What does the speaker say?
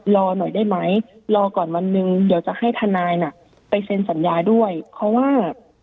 รอหน่อยได้ไหมรอก่อนวันหนึ่งเดี๋ยวจะให้ทนายน่ะไปเซ็นสัญญาด้วยเพราะว่า